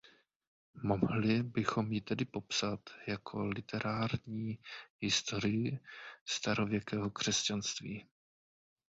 Mohli bychom ji tedy popsat jako literární historii starověkého křesťanství.